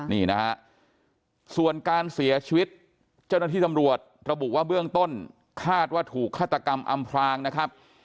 นี่นะฮะส่วนการเสียชีวิตเจ้าหน้าที่ตำรวจระบุว่าเบื้องต้นคาดว่าถูกฆาตกรรมอำพลางนะครับ